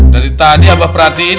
dari tadi abah perhatiin